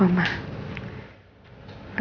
aku ngerti kau